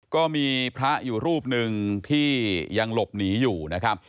ก็มีพระอยู่รูปหนึ่งที่ยังหลบหนีอยู่นะครับ